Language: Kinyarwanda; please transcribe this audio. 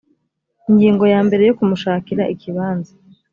ingingo ya mbere yo kumushakira ikibanza